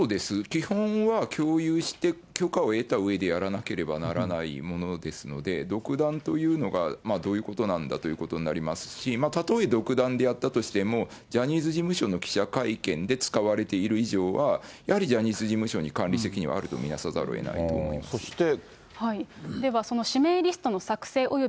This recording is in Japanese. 基本は共有して、許可を得たうえでやらなければならないものですので、独断というのがどういうことなんだということになりますし、たとえ独断でやったとしても、ジャニーズ事務所の記者会見で使われている以上は、やはりジャニーズ事務所に管理責任はあると見なさざるをえないとそして。